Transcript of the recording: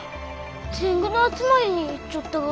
天狗の集まりに行っちょったが？